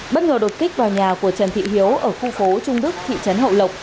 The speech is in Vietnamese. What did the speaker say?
bất ngờ đột kích vào nhà của trần thị hiếu ở khu phố trung đức thị trấn hậu lộc